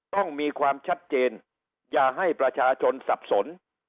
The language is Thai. ต้องมีความชัดเจนอย่าให้ประชาชนสับสน